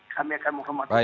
kami akan menghormati